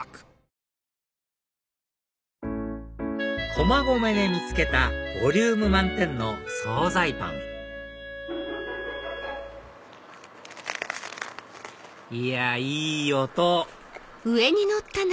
駒込で見つけたボリューム満点の総菜パンいやいい音！